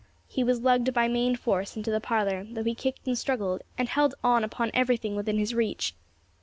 He was lugged by main force into the parlour, though he kicked and struggled, and held on upon everything within his reach.